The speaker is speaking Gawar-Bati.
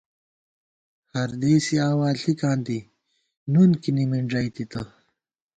ہردېسے آوا ݪِکاں دی ، نُن کی نِمِنݮَئیتِتہ